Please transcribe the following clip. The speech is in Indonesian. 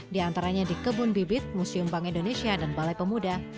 di antaranya di kebun bibit museum bank indonesia dan balai pemuda